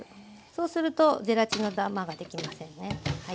そうするとゼラチンのダマができませんね。